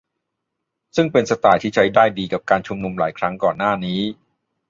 ซึ่งเป็นสไตล์ที่ใช้ได้ดีกับการชุมนุมหลายครั้งก่อนหน้านี้